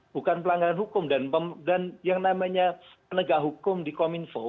bukan pelanggaran hukum dan yang namanya penegak hukum di kominfo